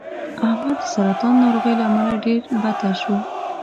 احمد د سرطان ناروغۍ له امله ډېر بته شو